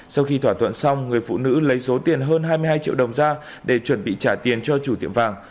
sau khi thỏa thuận xong người phụ nữ lấy số tiền hơn hai mươi hai triệu đồng ra để chuẩn bị trả tiền cho chủ tiệm vàng